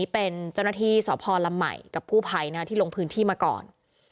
เป็นเจ้าหน้าที่สพลำใหม่กับกู้ภัยที่ลงพื้นที่มาก่อน